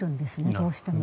どうしても。